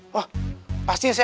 mereka ituali semua